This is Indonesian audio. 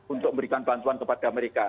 untuk memberikan bantuan kepada mereka